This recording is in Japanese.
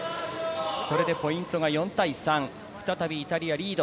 ポイントが４対３、再びイタリアリード。